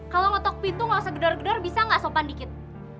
kalau ngotok pintu gak usah gedor gedor bisa nggak sopan dikit